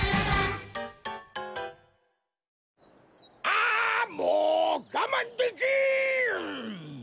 あもうがまんできん！